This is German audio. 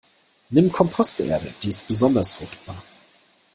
Nimm Komposterde, die ist besonders fruchtbar.